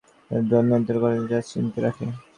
সেখানেই তারা ড্রোন নিয়ন্ত্রণ করার জয়স্টিকটা রাখে।